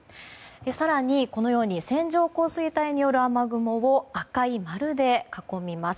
更にこのように線状降水帯による雨雲を赤い丸で囲みます。